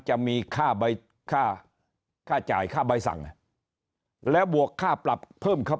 จะมีค่าใบค่าค่าจ่ายค่าใบสั่งแล้วบวกค่าปรับเพิ่มครับ